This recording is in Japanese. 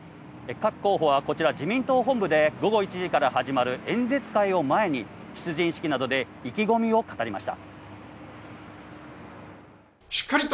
各候補はこちら自民党本部で午後１時から始まる演説会を前に出陣式などで意気込みを語りました。